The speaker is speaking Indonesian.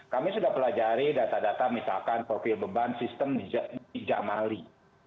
kami sudah pelajari data data misalkan profil beban sistem di jamali